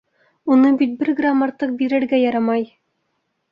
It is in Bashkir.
Уны бит бер грамм артыҡ бирергә ярамай!